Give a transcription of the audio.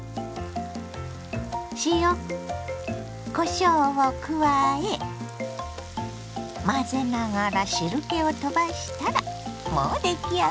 塩こしょうを加え混ぜながら汁けをとばしたらもう出来上がり。